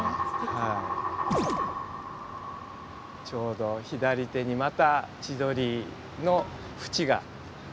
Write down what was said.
ちょうど左手にまた千鳥のフチが。